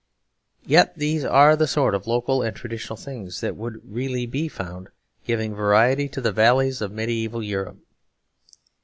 Yet these are the sort of local and traditional things that would really be found giving variety to the valleys of mediaeval Europe.